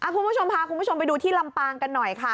พอพระคุณผู้ชมไปดูที่ลำปางกันหน่อยค่ะ